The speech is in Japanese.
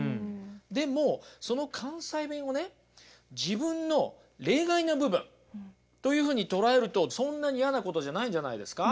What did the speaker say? でもその関西弁をね自分の例外な部分というふうに捉えるとそんなに嫌なことじゃないんじゃないですか？